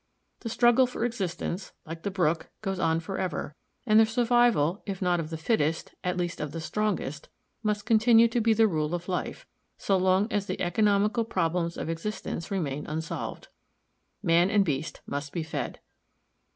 The struggle for existence, like the brook, goes on forever, and the survival, if not of the fittest, at least of the strongest, must continue to be the rule of life, so long as the economical problems of existence remain unsolved. Man and beast must be fed.